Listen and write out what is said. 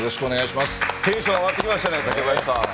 テンション上がってきましたね。